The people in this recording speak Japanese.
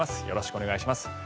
よろしくお願いします。